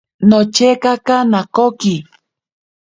Nochekaka nakoki.